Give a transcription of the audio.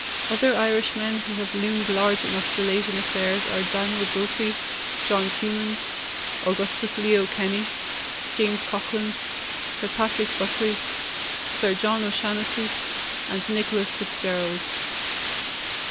Other Irishmen who have loomed large in Australasian affairs are Daniel Brophy, John Cumin, Augustus Leo Kenny, James Coghlan, Sir Patrick Buckley, Sir John O'Shannessy, and Nicholas Fitzgerald.